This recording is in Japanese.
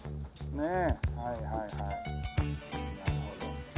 ねえ？